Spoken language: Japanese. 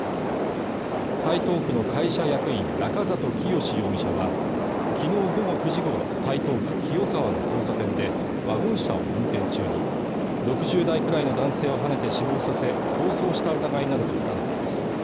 台東区の会社役員中里潔史容疑者は昨日午後９時ごろ台東区清川の交差点でワゴン車を運転中に６０代くらいの男性をはねて死亡させ逃走した疑いなどが持たれています